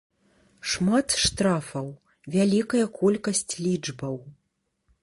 Шмат штрафаў, вялікая колькасць лічбаў.